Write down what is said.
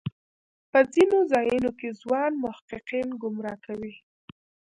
په ځینو ځایونو کې ځوان محققین ګمراه کوي.